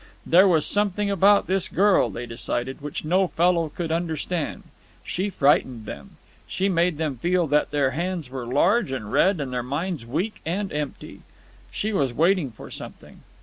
There was something about this girl, they decided, which no fellow could understand: she frightened them; she made them feel that their hands were large and red and their minds weak and empty. She was waiting for something.